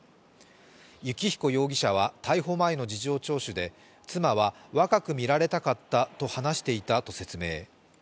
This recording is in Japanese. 幸彦容疑者は逮捕前の事情聴取で妻は若く見られたかったと話していたと説明。